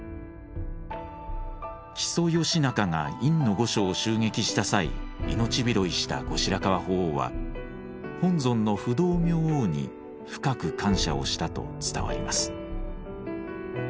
木曽義仲が院御所を襲撃した際命拾いした後白河法皇は本尊の不動明王に深く感謝をしたと伝わります。